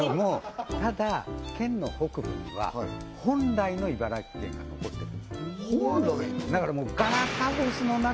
ただ県の北部には本来の茨城県が残ってる本来の？